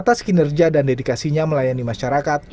atas kinerja dan dedikasinya melayani masyarakat